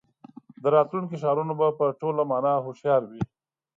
د راتلونکي ښارونه به په ټوله مانا هوښیار وي.